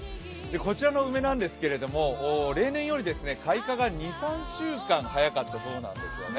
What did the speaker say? こちらの梅なんですけれども例年よりも開花が２３週間早かったそうなんですよね。